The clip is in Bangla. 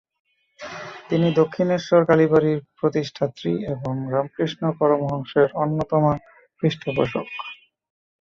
তিনি দক্ষিণেশ্বর কালীবাড়ির প্রতিষ্ঠাত্রী এবং রামকৃষ্ণ পরমহংসের অন্যতমা পৃষ্ঠপোষক।